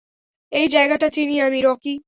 এই জায়গাটা চিনি আমি, রকি।